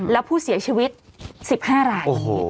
แล้วผู้เสียชีวิต๑๕ราย